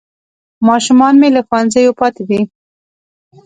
ماشومان مې له ښوونځیو پاتې دي